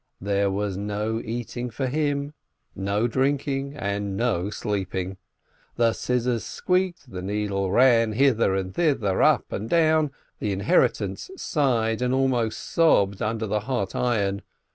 There was no eating for him, no drinking, and no sleeping. The scissors squeaked, the needle ran hither and thither, up and down, the inheritance sighed and almost sobbed under the hot iron.